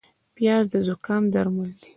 پیاز د زکام درمل دی